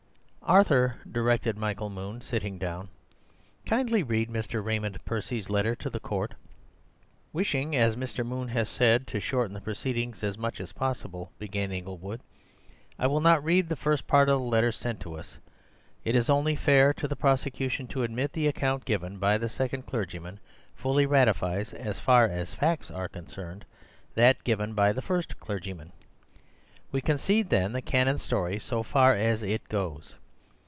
"Arthur," directed Michael Moon, sitting down, "kindly read Mr. Raymond Percy's letter to the court." "Wishing, as Mr. Moon has said, to shorten the proceedings as much as possible," began Inglewood, "I will not read the first part of the letter sent to us. It is only fair to the prosecution to admit the account given by the second clergyman fully ratifies, as far as facts are concerned, that given by the first clergyman. We concede, then, the canon's story so far as it goes.